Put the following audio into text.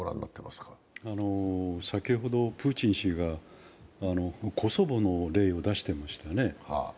プーチン氏がコソボの例を出してましたね。